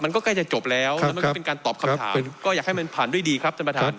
ใกล้จะจบแล้วแล้วมันก็เป็นการตอบคำถามก็อยากให้มันผ่านด้วยดีครับท่านประธาน